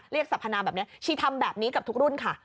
สัพพนาแบบนี้ชีทำแบบนี้กับทุกรุ่นค่ะ